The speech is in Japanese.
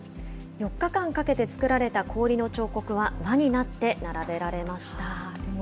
４日間かけてつくられた氷の彫刻は、輪になって並べられました。